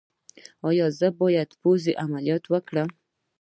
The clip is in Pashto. ایا زه باید د پوزې عملیات وکړم؟